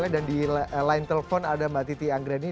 di lain telpon ada mbak titi anggreni